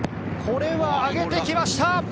これは上げてきました。